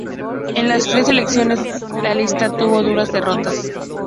En las tres elecciones la lista tuvo duras derrotas.